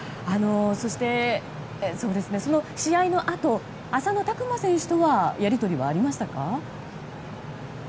そして、その試合のあと浅野拓磨選手とはやり取りはありましたか。